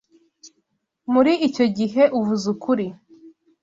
Muri icyo gihe, uvuze ukuri.